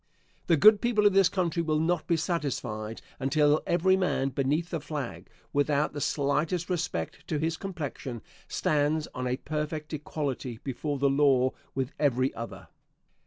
The good people of this country will not be satisfied until every man beneath the flag, without the slightest respect to his complexion, stands on a perfect equality before the law with every other.